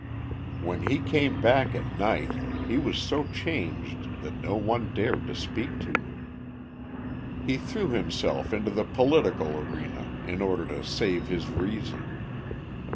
When he came back at night, he was so changed that no one dared to speak to him. He threw himself into the political arena in order to save his reason.